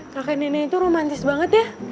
kakek nenek itu romantis banget ya